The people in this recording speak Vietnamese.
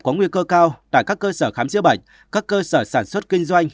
có nguy cơ cao tại các cơ sở khám chữa bệnh các cơ sở sản xuất kinh doanh